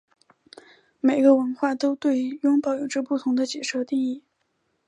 每个文化都对拥抱有着不同的解释和定义。